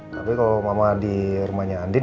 tapi kalau mama di rumahnya andin